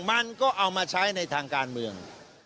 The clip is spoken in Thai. มันก็เอามาใช้ในทางการเมือง